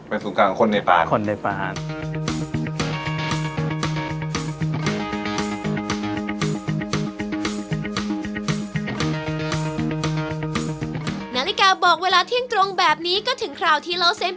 เป็นศูนย์กลางคนในปาน